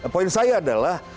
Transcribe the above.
poin saya adalah